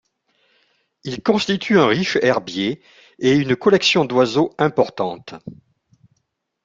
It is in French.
Il constitue un riche herbier et une collection d’oiseaux importante.